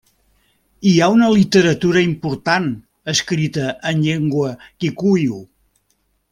Hi ha una literatura important escrita en llengua kikuiu.